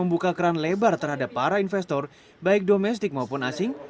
membuka keran lebar terhadap para investor baik domestik maupun asing